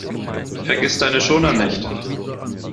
Vergiss deine Schoner nicht!